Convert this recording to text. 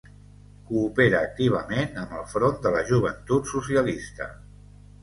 Coopera activament amb el Front de la Joventut Socialista.